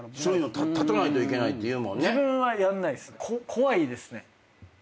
怖いですね。